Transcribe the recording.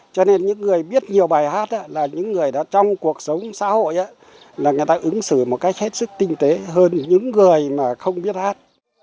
cho nên những người biết nhiều bài hát là những người đã trong cuộc sống xã hội là người ta ứng xử một cách hết sức tinh tế hơn những người mà không biết hát